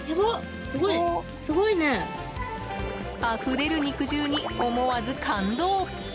あふれるに肉汁に思わず感動！